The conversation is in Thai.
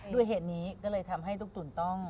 ด้วยเหตุนี้ก็เลยทำให้ตุ๊กตุ๋นต้อง